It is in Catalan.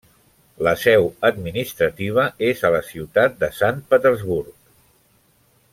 La seu administrativa és a la ciutat de Sant Petersburg.